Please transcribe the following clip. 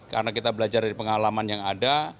karena kita belajar dari pengalaman yang ada